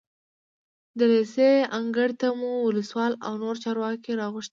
د لېسې انګړ ته مو ولسوال او نور چارواکي راغوښتي وو.